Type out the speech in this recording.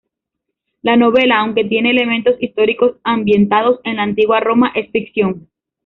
La novela, aunque tiene elementos históricos ambientados en la antigua Roma, es ficción.